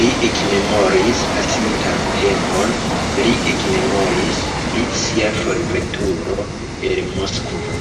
Li ekmemoris pasintan tempon, li ekmemoris pri sia forveturo el Moskvo.